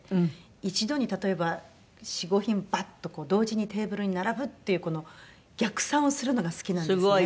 一度に例えば４５品バッと同時にテーブルに並ぶっていうこの逆算をするのが好きなんですね。